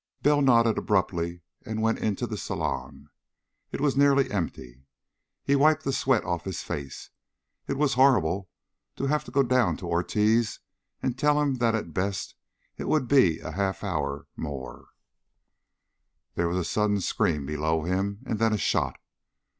Bell nodded abruptly and went into the saloon. It was nearly empty. He wiped the sweat off his face. It was horrible to have to go down to Ortiz and tell him that at best it would be half an hour more.... Then there was a sudden scream below him, and then a shot.